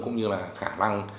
cũng như là khả năng